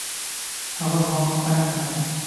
هغه زما مخ ته نه کتل